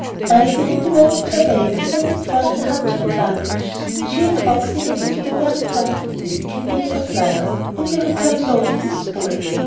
Elsie had devoted her day to setting forth the Hut to advantage. She and Roxy had been to the very top of the East Canyon for flowers, and returned loaded with spoil.